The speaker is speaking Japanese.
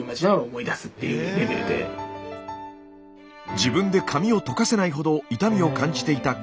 自分で髪をとかせないほど痛みを感じていた小池さん。